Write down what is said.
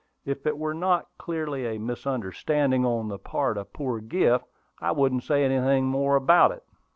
"If it were not clearly a misunderstanding on the part of poor Griff, I wouldn't say anything more about it."